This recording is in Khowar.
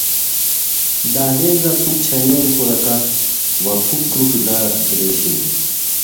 دہلینځہ پُھک چھانیان خوراکہ وا پُھک کروٹو دار درے شینی